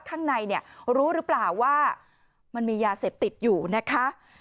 ข้างในเนี่ยรู้หรือเปล่าว่ามันมียาเสพติดอยู่นะคะ